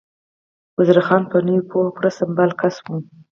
وزیر خان په نوې پوهه پوره سمبال کس و.